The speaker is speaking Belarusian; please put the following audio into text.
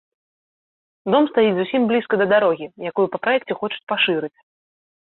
Дом стаіць зусім блізка да дарогі, якую па праекце хочуць пашырыць.